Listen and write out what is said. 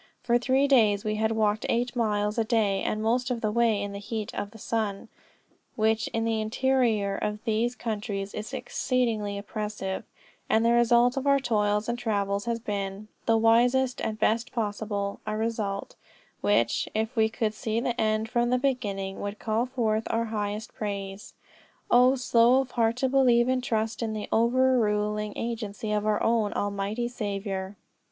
For three days we had walked eight miles a day, the most of the way in the heat of the sun, which in the interior of these countries is exceedingly oppressive; and the result of our toils and travels has been the wisest and best possible a result, which, if we could see the end from the beginning, would call forth our highest praise. O slow of heart to believe and trust in the over ruling agency of our own Almighty Saviour!"